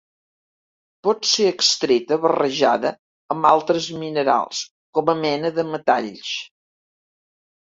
Pot ser extreta barrejada amb altres minerals com a mena de metalls.